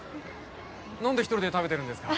何で一人で食べてるんですか？